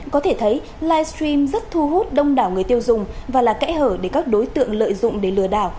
có thể thấy livestream rất thu hút đông đảo người tiêu dùng và là kẽ hở để các đối tượng lợi dụng để lừa đảo